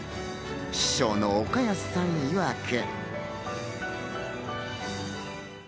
師匠の岡安さんいわく。